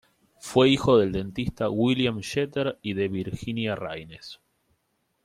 Fue hijo del dentista William Jeter y de Virginia Raines.